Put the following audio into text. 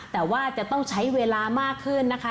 แต่ว่าจะต้องใช้เวลามากขึ้นนะคะ